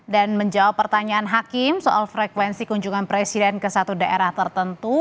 dan menjawab pertanyaan hakim soal frekuensi kunjungan presiden ke satu daerah tertentu